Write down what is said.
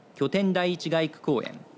第一街区公園